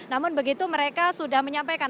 namun begitu mereka sudah menyampaikan